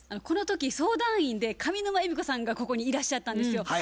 この時相談員で上沼恵美子さんがここにいらっしゃったんですよ。